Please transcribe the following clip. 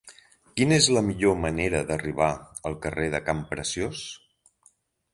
Quina és la millor manera d'arribar al carrer de Campreciós?